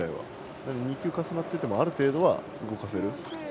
だから２球重なっててもある程度は動かせる。